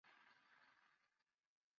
朕未闻诸臣以善恶直奏斯断人也！